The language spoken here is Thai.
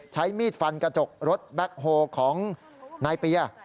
ใช้มีดฟันกระจกรถแบ็คโฮของนายเปีย